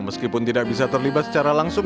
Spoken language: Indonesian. meskipun tidak bisa terlibat secara langsung